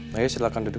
nah ya silahkan duduk